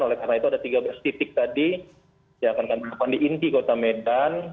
oleh karena itu ada tiga belas titik tadi yang akan kami lakukan di inti kota medan